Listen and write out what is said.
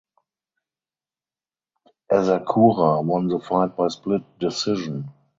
Asakura won the fight by split decision.